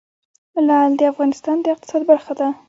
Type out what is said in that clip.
لعل د افغانستان د اقتصاد برخه ده.